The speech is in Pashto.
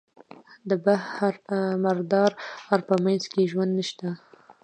د بحر مردار په منځ کې ژوند نشته.